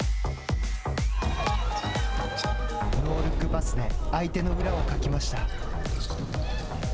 ノールックパスで相手の裏をかきました。